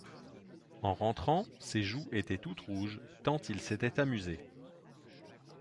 En rentrant, ses joues étaient toutes rouges, tant il s’était amusé.